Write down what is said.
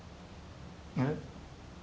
えっ？